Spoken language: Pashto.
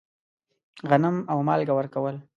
غنم او مالګه ورکول.